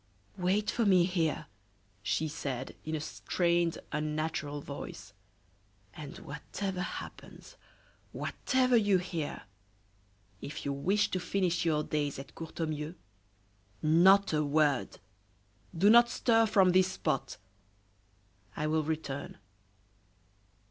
"Wait for me here," she said, in a strained, unnatural voice, "and whatever happens, whatever you hear, if you wish to finish your days at Courtornieu, not a word! Do not stir from this spot; I will return."